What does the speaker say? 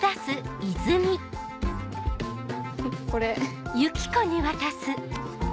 これ。